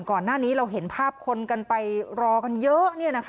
ก่อนหน้านี้เราเห็นภาพคนกันไปรอกันเยอะ